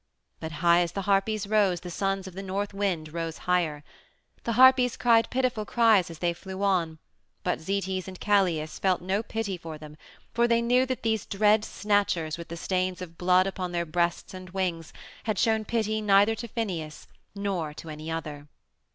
But high as the Harpies rose, the sons of the North Wind rose higher. The Harpies cried pitiful cries as they flew on, but Zetes and Calais felt no pity for them, for they knew that these dread Snatchers, with the stains of blood upon their breasts and wings, had shown pity neither to Phineus nor to any other.